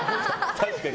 確かに。